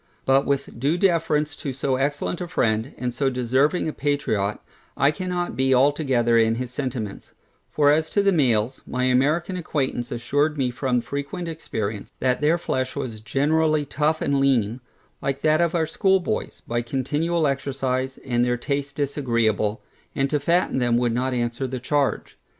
But with due deference to so excellent a friend, and so deserving a patriot, I cannot be altogether in his sentiments; for as to the males, my American acquaintance assured me from frequent experience, that their flesh was generally tough and lean, like that of our schoolboys, by continual exercise, and their taste disagreeable, and to fatten them would not answer the charge.